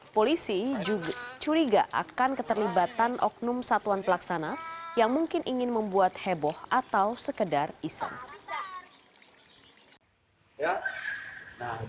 polisi juga curiga akan keterlibatan oknum satuan pelaksana yang mungkin ingin membuat heboh atau sekedar islam